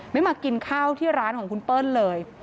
ไม่มากินข้าวที่ร้านของคุณเปิ้ลเลย